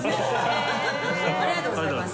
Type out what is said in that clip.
・ハハハ ありがとうございます。